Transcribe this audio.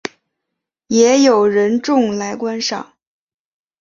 也有人种来观赏。